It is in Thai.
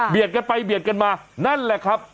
กันไปเบียดกันมานั่นแหละครับ